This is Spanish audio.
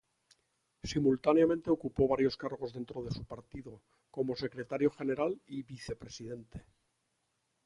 Simultáneamente ocupó varios cargos dentro de su partido, como secretario general y vicepresidente.